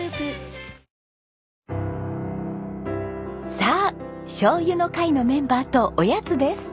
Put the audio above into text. さあしょうゆの会のメンバーとおやつです。